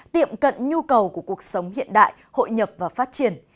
tiệm cận nhu cầu của cuộc sống hiện đại hội nhập và phát triển